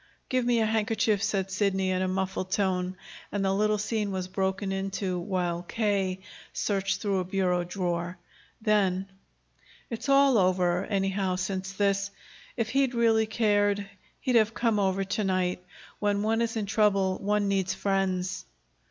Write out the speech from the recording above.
"Give me a handkerchief," said Sidney in a muffled tone, and the little scene was broken into while K. searched through a bureau drawer. Then: "It's all over, anyhow, since this. If he'd really cared he'd have come over to night. When one is in trouble one needs friends."